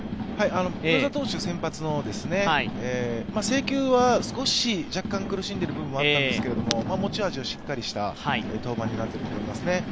先発投手は制球は少し苦しんでいる場面があったんですけど持ち味をしっかりとした登板になっていると思いますね。